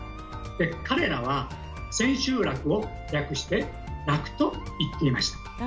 彼らは「千秋楽」を略して「楽」と言っていました。